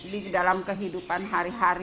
di dalam kehidupan hari hari